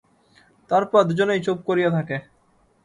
তারপর দুজনেই চুপ করিয়া থাকে।